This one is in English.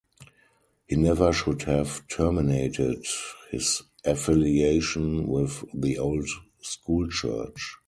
He never should have terminated his affiliation with the Old School Church.